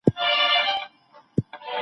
ايا حق کولی سي پر هر ډول تيارو غالب سي؟